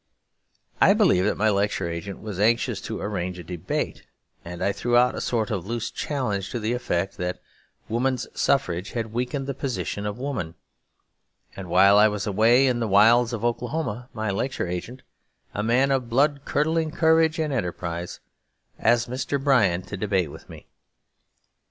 I believe that my lecture agent was anxious to arrange a debate, and I threw out a sort of loose challenge to the effect that woman's suffrage had weakened the position of woman; and while I was away in the wilds of Oklahoma my lecture agent (a man of blood curdling courage and enterprise) asked Mr. Bryan to debate with me.